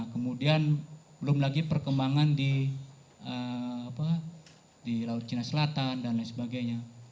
kemudian belum lagi perkembangan di laut cina selatan dan lain sebagainya